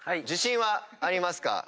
自信はありますか？